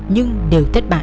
nhưng đều thất bại